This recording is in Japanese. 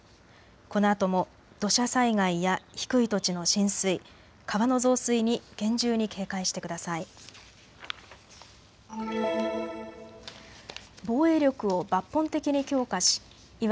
このあとも土砂災害や低い土地の浸水、川の増水に厳重に警戒してください。